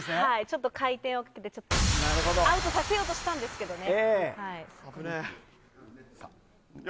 ちょっと回転をかけてアウトさせようとしたんですけどね。